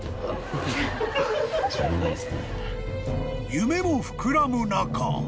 ［夢も膨らむ中］